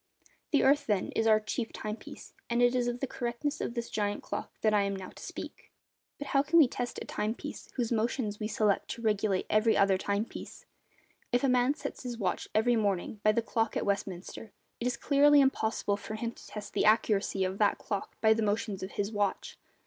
The earth, then, is our 'chief time piece,' and it is of the correctness of this giant clock that I am now to speak. But how can we test a time piece whose motions we select to regulate every other time piece? If a man sets his watch every morning by the clock at Westminster, it is clearly impossible for him to test the accuracy of that clock by the motions of his watch.